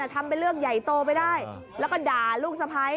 ทำเป็นเรื่องใหญ่โตไปได้แล้วก็ด่าลูกสะพ้าย